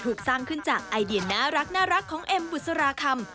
ถูกสร้างขึ้นจากไอเดียน่ารักของเอ็มบุษราคำ